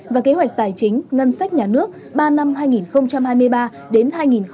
và kế hoạch tài chính ngân sách nhà nước ba năm hai nghìn hai mươi ba đến hai nghìn hai mươi năm